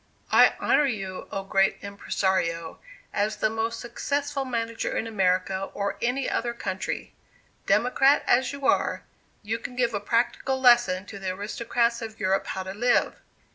"I honor you, oh! Great Impressario, as the most successful manager in America or any other country. Democrat, as you are, you can give a practical lesson to the aristocrats of Europe how to live.